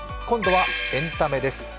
今度はエンタメです。